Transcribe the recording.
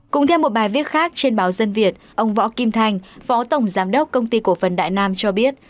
cũng theo một bài viết khác trên báo dân việt ông võ kim thành phó tổng giám đốc công ty cổ phần đại nam cho biết